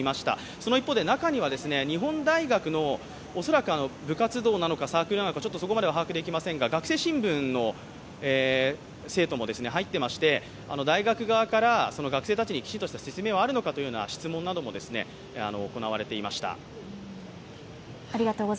その一方で、中には日本大学の恐らく部活動なのかサークルなのか、ちょっとそこまで把握できませんが学生新聞の生徒も入っていまして、大学側から学生たちにきちんとした説明などはあるのかという質問も行われていました。